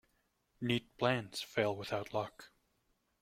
Neat plans fail without luck.